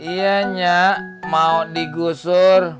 iya nya mau digusur